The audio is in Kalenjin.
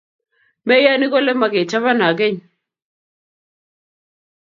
Meyoni kole mokechobon ageny.